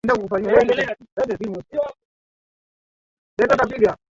katika dunia ya mitindo na mavazi